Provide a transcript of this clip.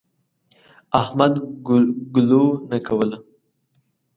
احمد ګلو نه کوله.